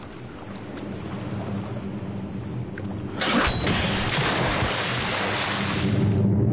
あっ！